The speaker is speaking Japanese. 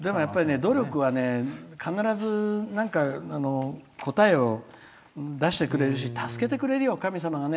努力はね、必ず答えを出してくれるし助けてくれるよ、神様がね。